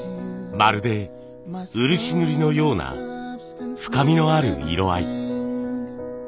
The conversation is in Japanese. まるで漆塗りのような深みのある色合い。